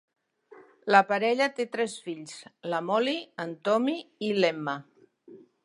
La parella té tres fills, la Molly, en Tommy i l'Emma.